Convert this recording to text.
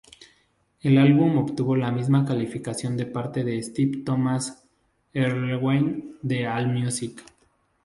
El álbum obtuvo la misma calificación de parte de Stephen Thomas Erlewine de Allmusic.